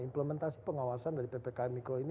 implementasi pengawasan dari ppkm mikro ini